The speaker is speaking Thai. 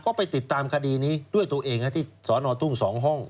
ก็ไปติดตามคดีนี้ด้วยตัวเองที่สอนอทุ่ง๒ห้อง